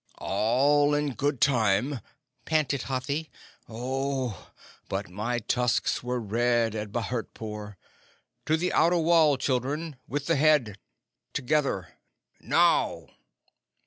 "All in good time," panted Hathi. "Oh, but my tusks were red at Bhurtpore! To the outer wall, children! With the head! Together! Now!"